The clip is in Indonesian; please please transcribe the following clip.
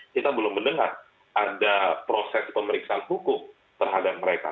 kita belum mendengar ada proses pemeriksaan hukum terhadap mereka